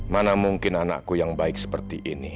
mana mungkin anakku yang baik seperti ini